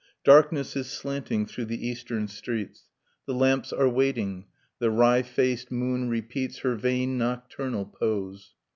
Darkness is slanting through the eastern streets. The lamps are waiting. The wry faced moon repeats Her vain nocturnal pose.